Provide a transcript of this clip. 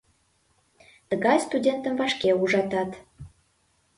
Тыгай студентым вашке ужатат...